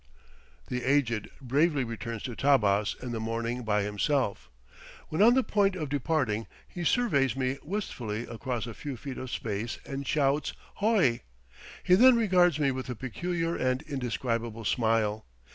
"The Aged" bravely returns to Tabbas in the morning by himself. When on the point of departing, he surveys me wistfully across a few feet of space and shouts "h o i!" He then regards me with a peculiar and indescribable smile.